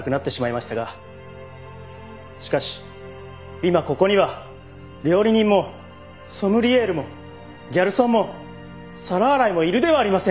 しかし今ここには料理人もソムリエールもギャルソンも皿洗いもいるではありませんか。